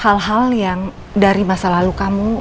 hal hal yang dari masa lalu kamu